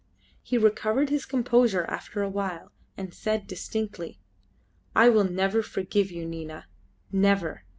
He recovered his composure after a while and said distinctly "I will never forgive you, Nina never!